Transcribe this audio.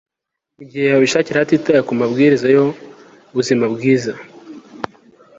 nigihe babishakira hatitawe ku mabwiriza yubuzima bwiza